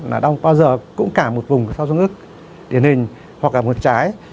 là đau bao giờ cũng cả một vùng sau dung ức điển hình hoặc là một trái